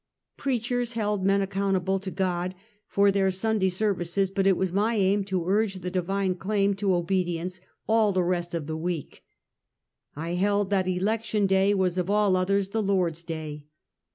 Preachers held men accountable to God for their Sunday services, but it was my aim to urge the divine claim to obedience, all the rest of the week. I held that election day was of all others, the Lord's day.